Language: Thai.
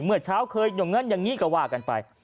เหมือนเช้าเกิดอยู่งั้นอย่างนี้ก็ว่ากันไป